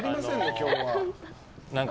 今日は。